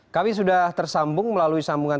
kami sudah tersambung melalui sambungan